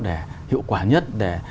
để hiệu quả nhất để